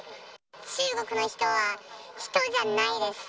中国の人は、人じゃないです。